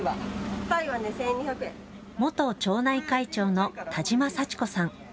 元町内会長の田島幸子さん。